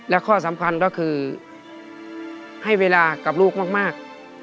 และข้อสำคัญก็คือให้เวลากับลูกมาก